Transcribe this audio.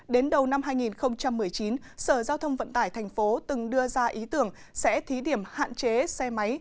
đến đầu năm hai nghìn một mươi chín sở giao thông vận tải thành phố từng đưa ra ý tưởng sẽ thí điểm hạn chế xe máy